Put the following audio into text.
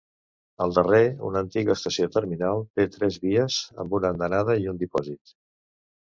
El darrer, una antiga estació terminal, té tres vies amb una andana i un dipòsit.